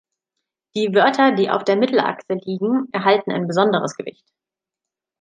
Die Wörter, die auf der Mittelachse liegen, erhalten ein besonderes Gewicht.